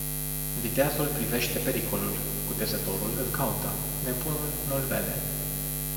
Viteazul privește pericolul; cutezătorul îl caută; nebunul nu-l vede.